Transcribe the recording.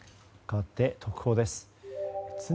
かわって特報です。